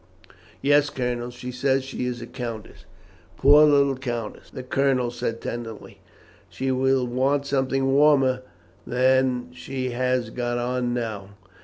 "Yes, Colonel. She says that she is a countess." "Poor little countess!" the colonel said tenderly. "She will want something warmer than she has got on now."